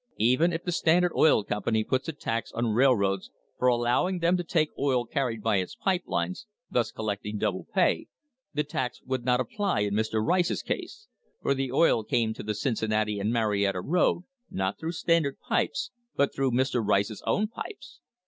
Even if the Standard Oil Company puts a tax on railroads for allow ing them to take oil carried by its pipe lines thus collecting double pay the tax would not apply in Mr. Rice's case, for the oil came to the Cincinnati and Marietta road not through Standard pipes but through Mr. Rice's own pipes.